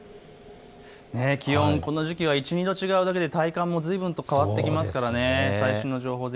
気温、この時期は１、２度違うだけで体感もずいぶん変わってきますからね。